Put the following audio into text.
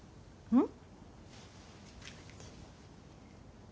うん。